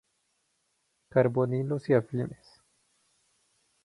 Carbonilos y afines.